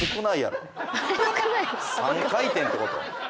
３回転ってこと。